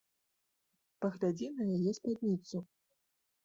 Паглядзі на яе спадніцу.